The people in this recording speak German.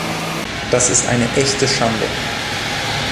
Das ist eine echte Schande.